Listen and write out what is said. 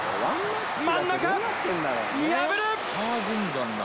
真ん中破る！